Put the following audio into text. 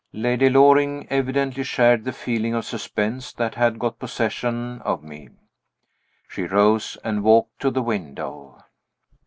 Lady Loring evidently shared the feeling of suspense that had got possession of me. She rose and walked to the window.